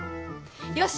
よし！